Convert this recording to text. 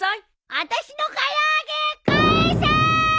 あたしの唐揚げ返せ！